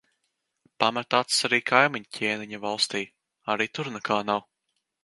Pametu acis arī kaimiņu ķēniņa valstī. Arī tur nekā nav.